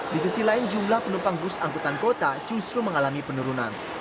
di sisi lain jumlah penumpang bus angkutan kota justru mengalami penurunan